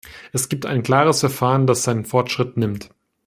Es gibt ein klares Verfahren, das seinen Fortschritt nimmt.